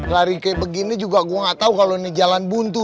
lari kayak begini juga gue gak tau kalau ini jalan buntu